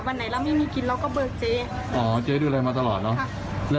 วันไหนแล้วไม่มีกินแล้วก็เบิกเจ๊อ๋อเจ๊ดูแลมาตลอดเนอะครับ